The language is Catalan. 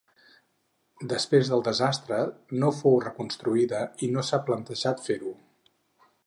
Després del desastre, no fou reconstruïda i no s'ha plantejat fer-ho.